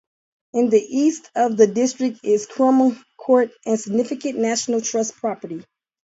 In the east of the district is Croome Court, a significant National Trust property.